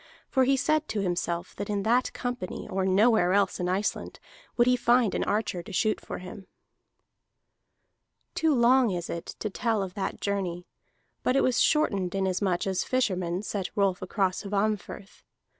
For he said to himself that in that company or nowhere else in Iceland would he find an archer to shoot for him. Too long is it to tell of that journey, but it was shortened inasmuch as fishermen set Rolf across Hvammfirth.